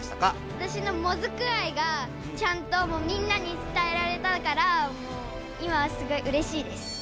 わたしのもずく愛がちゃんとみんなにつたえられたから今はすごいうれしいです。